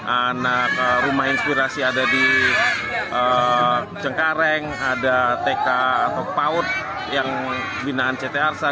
anak rumah inspirasi ada di cengkareng ada tk atau paut yang binaan ct arsa